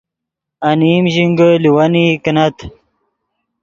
انیم ژینگے لیوینئی کینت